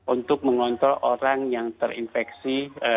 untuk mengontrol orang yang terinfeksi